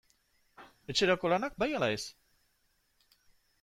Etxerako lanak bai ala ez?